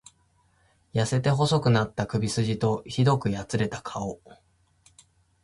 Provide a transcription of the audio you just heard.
痩せて細くなった首すじと、酷くやつれた顔。